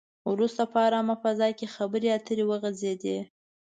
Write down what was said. وروسته په ارامه فضا کې خبرې اترې وغځېدې.